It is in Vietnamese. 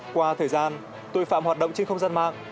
qua thời gian tội phạm hoạt động trên không gian mạng